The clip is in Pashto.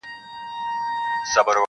ښکلي زلمي به یې تر پاڼو لاندي نه ټولیږي-